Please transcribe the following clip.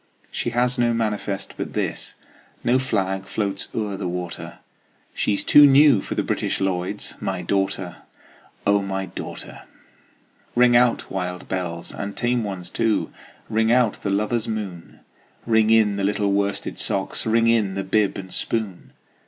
She has no manifest but this, No flag floats o'er the water, She's too new for the British Lloyds My daughter, O my daughter! Ring out, wild bells, and tame ones too! Ring out the lover's moon! Ring in the little worsted socks! Ring in the bib and spoon!